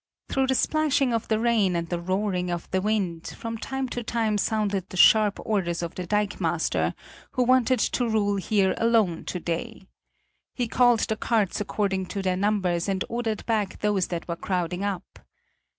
Through the splashing of the rain and the roaring of the wind, from time to time sounded the sharp orders of the dikemaster, who wanted to rule here alone to day. He called the carts according to their numbers and ordered back those that were crowding up.